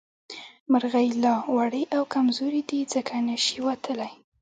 مرغۍ لا وړې او کمزورې دي ځکه نه شي اوتلې